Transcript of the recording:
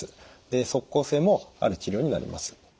で即効性もある治療になります。